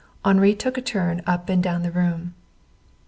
Henri took a turn up and down the room.